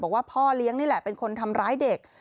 บอกว่าพ่อเลี้ยงนี่แหละเป็นคนทำร้ายเด็ก